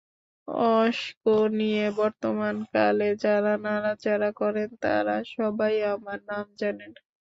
অঙ্ক নিয়ে বর্তমানকালে যাঁরা নাড়াচাড়া করেন, তাঁরা সবাই আমার নাম জানেন!